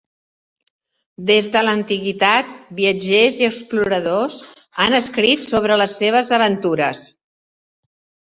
Des de l'antiguitat, viatgers i exploradors han escrit sobre les seves aventures.